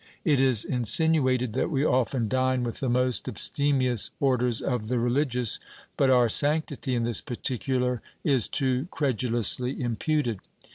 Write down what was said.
It is insinuated that we often dine with the most abstemious orders of the reli gious ; but our sanctity in this particular is too credulously imputed.